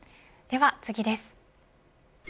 では次です。